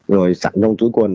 rồi sẵn trong túi quần